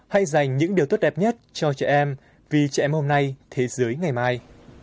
hay dành những điều tốt đẹp nhất cho trẻ em vì trẻ em hôm nay thế giới ngày mai